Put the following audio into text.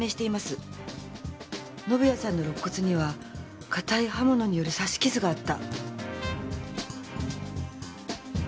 宣也さんの肋骨には硬い刃物による刺し傷があった。